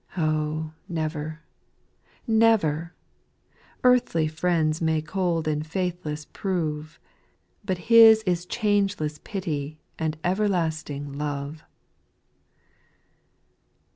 Oh, never, never I earthly friends may cold and faithless prove, But His is changeless pity and everlasting love.